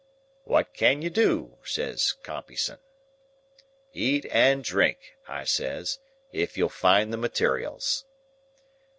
"'What can you do?' says Compeyson. "'Eat and drink,' I says; 'if you'll find the materials.